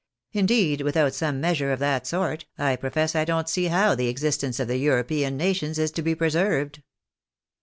Indeed, with out some measure of that sort, I profess I don't see how the existence of the Em'opean nations is to be preserved."